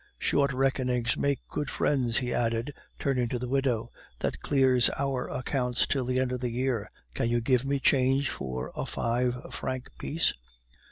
"Short reckonings make good friends" he added, turning to the widow; "that clears our accounts till the end of the year. Can you give me change for a five franc piece?"